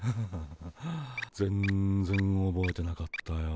全然おぼえてなかったよ。